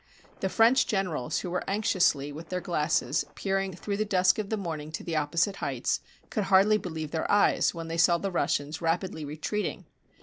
The French generals, who were anxiously, with their glasses, peering through the dusk of the morning to the opposite heights, could hardly believe their eyes when they saw the Russians rapidly retreating.